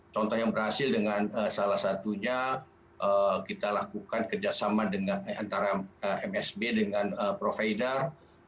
contoh yang berhasil dengan salah satunya kita lakukan kerjasama antara msb dengan provider